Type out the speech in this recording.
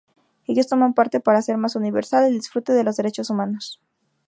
Ellos toman parte para hacer más universal el disfrute de los derechos humanos.